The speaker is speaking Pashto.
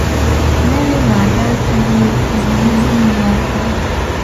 نوې ماده ته یې «پولونیم» نوم ورکړ.